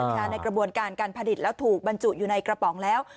ในกระบวนการการผลิตแล้วถูกบรรจุอยู่ในกระป๋องแล้ว